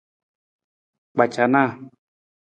Kpacanaa.